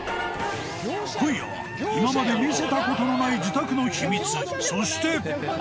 今夜は今まで見せた事のない自宅の秘密そして